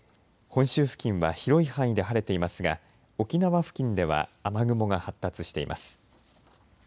本州付近は広い範囲で晴れていますが沖縄付近では雨雲が発達しています。